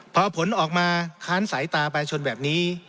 พอผลออกมาค้านสายตาประชาชนแบบนี้